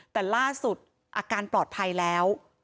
แต่ล่าสุดอาการปลอดภัยแล้ว